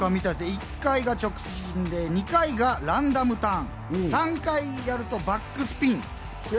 １回が直進で、２回がランダムターン、３回やるとバックスピン。